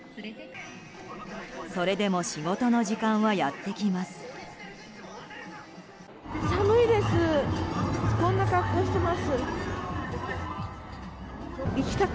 それでも仕事の時間はやってきます。